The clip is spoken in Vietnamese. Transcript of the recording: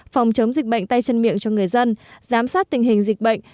phòng chống dịch bệnh tay chân miệng cho người dân giám sát tình hình dịch bệnh